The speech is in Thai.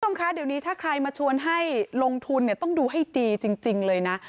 คุณผู้ชมคะเดี๋ยวนี้ถ้าใครมาชวนให้ลงทุนเนี่ยต้องดูให้ดีจริงเลยนะ